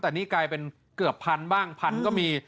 แต่นี่กลายเป็นเกือบพันบ้างพันก็มี